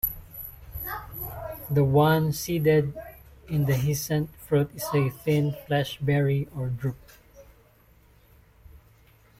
The one-seeded, indehiscent fruit is a thin-fleshed berry or drupe.